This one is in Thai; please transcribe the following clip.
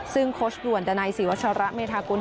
ซึ่งโค้ชด่วนดานัยศรีวัชระเมธากุล